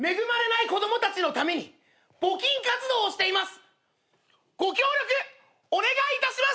その子たちのために募金活動をしています。